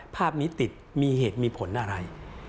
ภาพนี้ติดมีเหตุมีผลอะไร